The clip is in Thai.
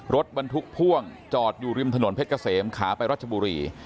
รถบรรทุกพ่วงจอดอยู่ริมถนนเพชรเกษมขาไปรัชบุรี